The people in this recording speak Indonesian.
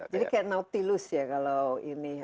jadi kayak nautilus ya kalau ini